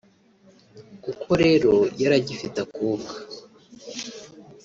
Kuko rero yari agifite akuka